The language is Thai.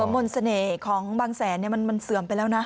มนต์เสน่ห์ของบางแสนมันเสื่อมไปแล้วนะ